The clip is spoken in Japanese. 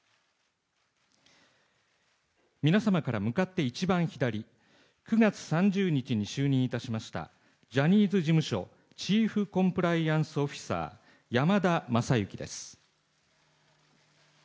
皆様から向かって一番左、９月３０日に就任いたしましたジャニーズ事務所チーフコンプライアンスオフィサー、山田将之です。